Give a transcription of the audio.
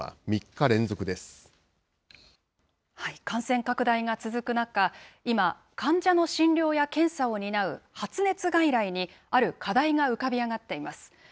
感染拡大が続く中、今、患者の診療や検査を担う発熱外来に、ある課題が浮かび上がっています。